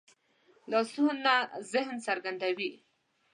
لاسونه ذهن څرګندوي